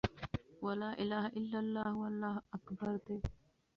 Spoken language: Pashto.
وَلَا إِلَهَ إلَّا اللهُ، وَاللهُ أكْبَرُ دي .